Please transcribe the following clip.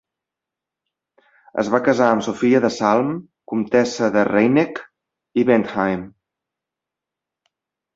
Es va casar amb Sofia de Salm, comtessa de Rheineck i Bentheim.